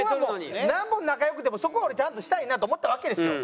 なんぼ仲良くてもそこは俺ちゃんとしたいなと思ったわけですよ。